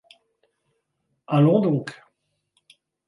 Allons donc.